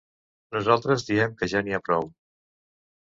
Nosaltres diem que ja n’hi ha prou.